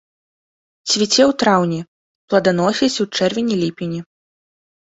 Цвіце ў траўні, пладаносіць у чэрвені-ліпені.